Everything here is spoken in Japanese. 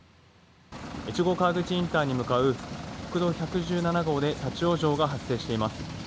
越後川口インターに向かう国道１１７号で立ち往生が発生しています。